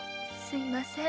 すみません。